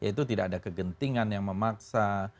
yaitu tidak ada kegentingan yang memaksa